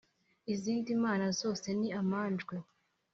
izindi mana zose ni amanjwe!»